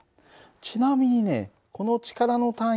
ちなみにねこの力の単位はＮ。